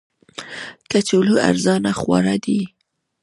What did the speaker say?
کچالو ارزانه خواړه دي